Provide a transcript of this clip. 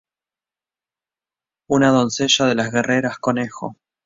Una doncella de las Guerreras Conejo.